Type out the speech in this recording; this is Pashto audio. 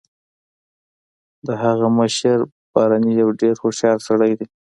د هغه مشر بارني یو ډیر هوښیار سړی دی